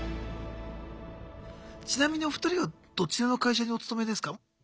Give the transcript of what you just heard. ちなみにお二人はどちらの会社にお勤めですか？